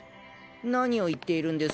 何を言っているんです？